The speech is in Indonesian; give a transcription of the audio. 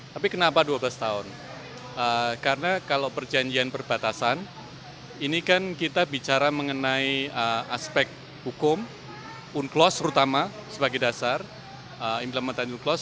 tapi kenapa dua belas tahun karena kalau perjanjian perbatasan ini kan kita bicara mengenai aspek hukum unclos terutama sebagai dasar implemented unclos